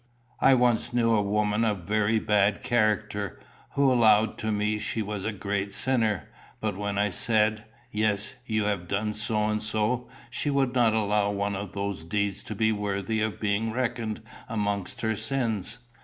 "I once knew a woman of very bad character, who allowed to me she was a great sinner; but when I said, 'Yes, you have done so and so,' she would not allow one of those deeds to be worthy of being reckoned amongst her sins.